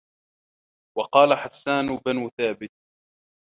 وَقَالَ حَسَّانُ بْنُ ثَابِتٍ